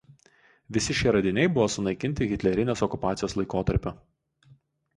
Visi šie radiniai buvo sunaikinti hitlerinės okupacijos laikotarpiu.